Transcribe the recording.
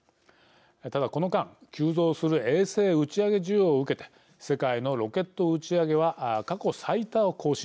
ただこの間、急増する衛星打ち上げ需要を受けて世界のロケット打ち上げは過去最多を更新。